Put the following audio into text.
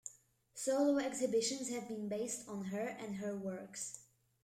Solo exhibitions have been based on her and her works.